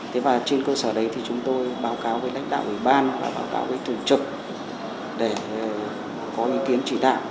thế và trên cơ sở đấy thì chúng tôi báo cáo với lãnh đạo ủy ban và báo cáo với thường trực để có ý kiến chỉ đạo